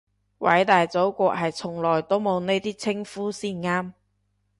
偉大祖國係從來都冇呢啲稱呼先啱